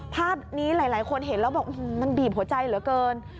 ภาพนี้หลายคนเห็นแล้วบอกมันบีบหัวใจเหลือเกิน